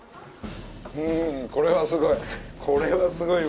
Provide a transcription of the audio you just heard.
うーんこれはすごい。